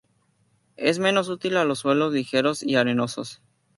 Es menos útil a los suelos ligeros y arenosos.